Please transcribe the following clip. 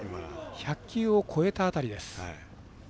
１００球を超えた辺りです。